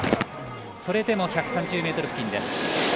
それでも１３０ｍ付近です。